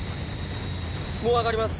もう上がります。